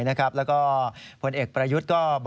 ผู้แอบประยุทธ์